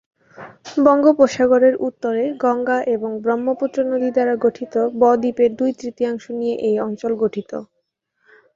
বঙ্গোপসাগরের উত্তরে গঙ্গা এবং ব্রহ্মপুত্র নদী দ্বারা গঠিত বদ্বীপের দুই-তৃতীয়াংশ নিয়ে এই অঞ্চল গঠিত।